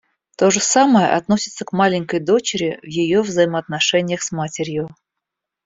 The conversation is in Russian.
То же самое относится к маленькой дочери в ее взаимоотношениях с матерью.